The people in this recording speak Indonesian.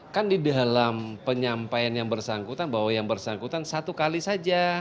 kan di dalam penyampaian yang bersangkutan bahwa yang bersangkutan satu kali saja